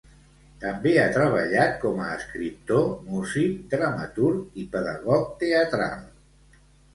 També ha treballat com a escriptor, músic, dramaturg i pedagog teatral.